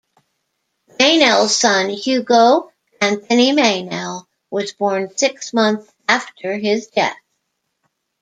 Meynell's son, Hugo Anthony Meynell, was born six months after his death.